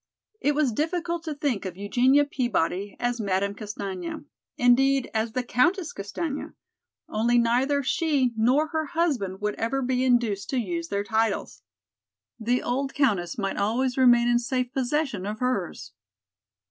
It was difficult to think of Eugenia Peabody as Madame Castaigne, indeed as the Countess Castaigne, only neither she nor her husband would ever be induced to use their titles. The old Countess might always remain in safe possession of hers.